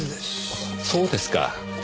そうですか。